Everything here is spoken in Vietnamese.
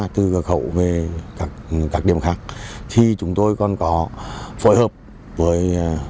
từ cửa khẩu về các điểm khác thì chúng tôi còn có phối hợp với